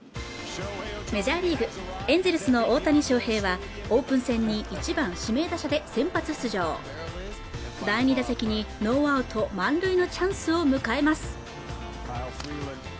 メジャーリーグエンゼルスの大谷翔平はオープン戦に１番指名打者で先発出場第２打席にノーアウト満塁のチャンスを迎えます